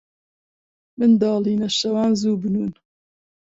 منداڵینە، شەوان زوو بنوون.